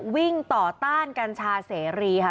วิ่งต่อต้านกัญชาเสรีค่ะ